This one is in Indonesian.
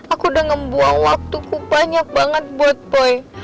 aku udah ngebuang waktuku banyak banget buat poi